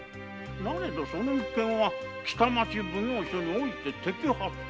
なれどその一件は北町奉行所において摘発。